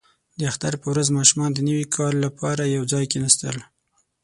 • د اختر په ورځ ماشومان د نوي کال لپاره یو ځای کښېناستل.